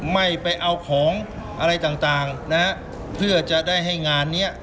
ไม่ไปเอาของอะไรต่างนะฮะเพื่อจะได้ให้งานเนี้ย